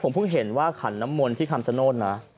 ผมเพิ่งเห็นว่าขันน้ำมนต์ที่คำชโนธนะ